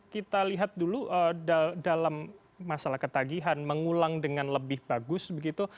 kita lihat dulu dalam masalah ketagihan mengulang dengan lebih bagus begitu